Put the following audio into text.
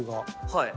はい。